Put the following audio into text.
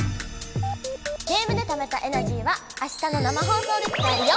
ゲームでためたエナジーはあしたの生放送で使えるよ！